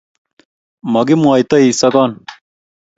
Makimwoitoi sogon.